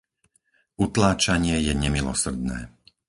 Utláčanie je nemilosrdné.